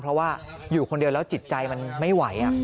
เพราะว่าอยู่คนเดียวแล้วจิตใจมันไม่ไหว